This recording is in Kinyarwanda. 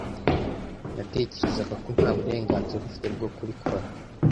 Natekerezaga ko nta burenganzira afite bwo kubikora.